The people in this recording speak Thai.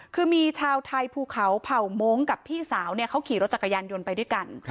คือมีชาวไทยภูเขาเผ่ามงค์กับพี่สาวเขาขี่รถจักรยานยนต์ไปด้วยกัน